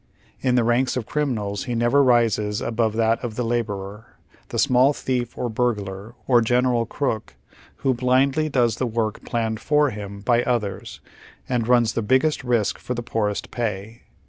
In the ranks of criminals he never rises above that of the " laborer," the small thief or burglar, or general crook, who blindly does the work planned for him by others, and rnns the biggest risk for the poorest pay.